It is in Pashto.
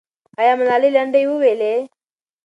آیا ملالۍ لنډۍ وویلې؟